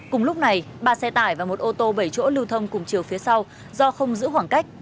cùng lúc này ba xe tải và một ô tô bảy chỗ lưu thông cùng chiều phía sau do không giữ khoảng cách